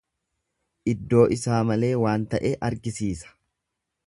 Iddoo isaa malee waan ta'e argisiisa.